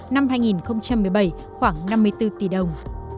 năm hai nghìn một mươi bảy khoảng năm mươi bốn tỷ đồng